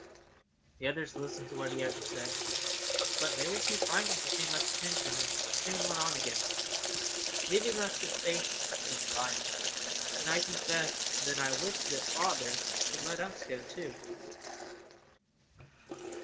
The others listened to what he had to say, but they were too frightened to pay much attention, and soon went on again, leaving us to face the fire. And I confess that I wished that father would let us go, too.